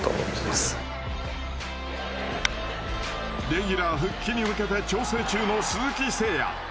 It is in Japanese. レギュラー復帰に向けて調整中の鈴木誠也。